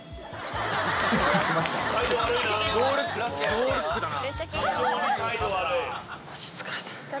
ノールックだな。